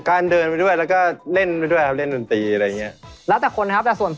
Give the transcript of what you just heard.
เพียงจริงเหอะที่ให้เราเป๋แต่จริงแล้วเขาคือตัวจริง